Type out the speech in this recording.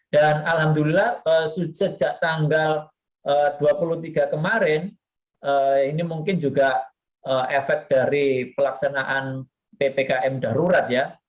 alhamdulillah sejak tanggal dua puluh tiga kemarin ini mungkin juga efek dari pelaksanaan ppkm darurat ya